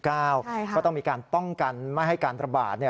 ก็ต้องมีการป้องกันไม่ให้การระบาด